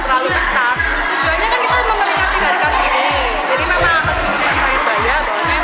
jadi memang harus memperbaik baya bawa senam dan diperbaiki pakai leci